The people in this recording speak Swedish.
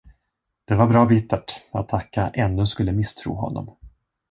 Det var bra bittert, att Akka ännu skulle misstro honom.